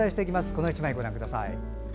この１枚ご覧ください。